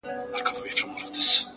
د گناهونو شاهدي به یې ویښتان ورکوي!